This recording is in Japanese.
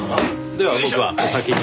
では僕はお先に。